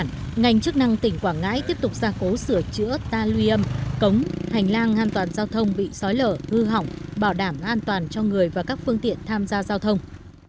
tuy nhiên ngành chức năng tỉnh quảng ngãi tiếp tục ra cố sửa chữa ta luy âm cống hành lang an toàn giao thông bị sói lở hư hỏng bảo đảm an toàn cho người và các phương tiện tham gia giao thông